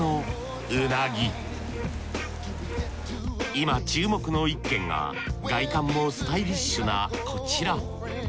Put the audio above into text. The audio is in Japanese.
今注目の１軒が外観もスタイリッシュなこちら。